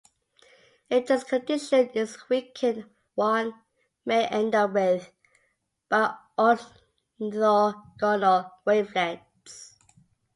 If this condition is weakened one may end up with biorthogonal wavelets.